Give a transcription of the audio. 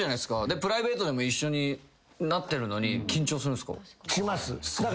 プライベートでも一緒になってるのに緊張するんすか？